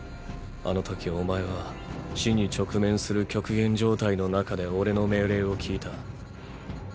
あの時お前は死に直面する極限状態の中でオレの命令を聞いた。